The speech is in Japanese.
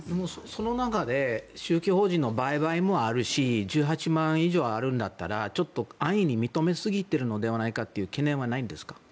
その中で宗教法人の売買もあるし１８万以上あるんだったら安易に認めすぎてるのではないかという懸念はないんですか。